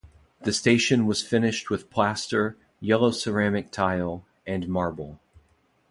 The station was finished with plaster, yellow ceramic tile, and marble.